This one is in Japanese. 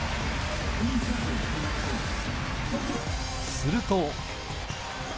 すると。